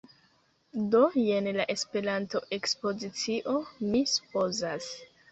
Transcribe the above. Do, jen la Esperanto-ekspozicio, mi supozas